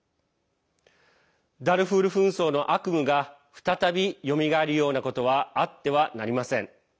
ダルフール紛争の悪夢が再び、よみがえるようなことはあってはなりません。